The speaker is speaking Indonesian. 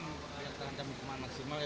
karena udah dua kali